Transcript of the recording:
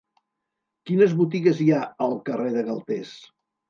Quines botigues hi ha al carrer de Galtés?